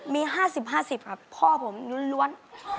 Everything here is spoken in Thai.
มีห้าสิบห้าสิบครับพ่อผมร้วน